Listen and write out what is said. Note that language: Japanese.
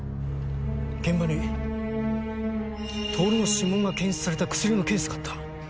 現場に透の指紋が検出された薬のケースがあった。